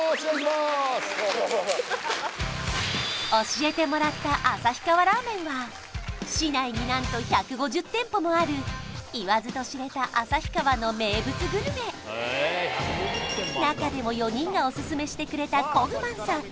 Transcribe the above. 教えてもらった旭川ラーメンは市内に何と１５０店舗もある言わずと知れた中でも４人がオススメしてくれたこぐまんさん